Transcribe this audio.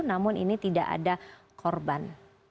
namun ini tidak ada korban